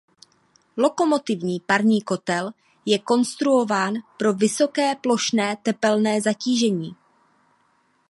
Lokomotivní parní kotel je konstruován pro vysoké plošné tepelné zatížení.